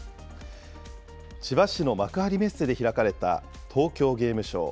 千葉市の幕張メッセで開かれた東京ゲームショウ。